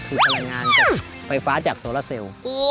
คือพลังงานไฟฟ้าจากโซล่าเซลล์